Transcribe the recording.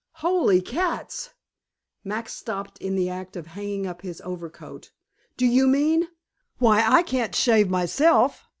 "Holy cats!" Max stopped in the act of hanging up his overcoat. "Do you mean why, I can't shave myself!